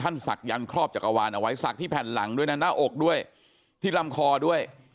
ท่านศักยรษ์ครอบจักรวรรณไว้ศักดิ์ที่แผ่นหลังด้วยนะหน้าอกด้วยที่ลำคอด้วย